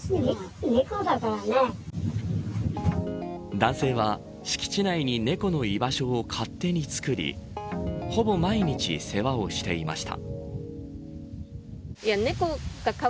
男性は、敷地内に猫の居場所を勝手に作りほぼ毎日世話をしていました。